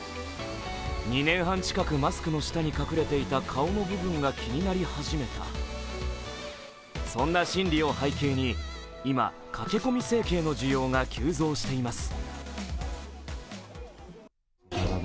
２年半近くマスクの下に隠れていた顔の部分が気になり始めたそんな心理を背景に、今、駆け込み整形の需要が急増しています。